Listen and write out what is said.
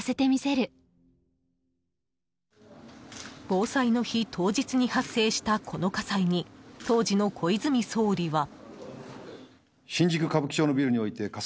防災の日当日に発生したこの火災に当時の小泉総理は。